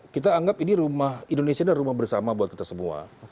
kita anggap ini rumah indonesia adalah rumah bersama buat kita semua